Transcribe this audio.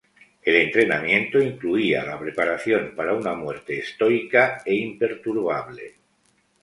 El entrenamiento incluía la preparación para una muerte estoica e imperturbable.